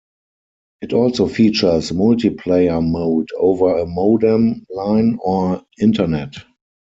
It also features multiplayer mode over a modem line or Internet.